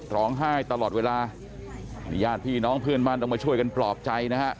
ร้องไห้ตลอดเวลานี่ญาติพี่น้องเพื่อนบ้านต้องมาช่วยกันปลอบใจนะฮะ